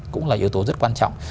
cũng là yếu tố rất quan trọng